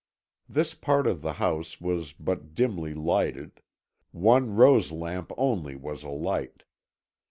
This part of the house was but dimly lighted; one rose lamp only was alight.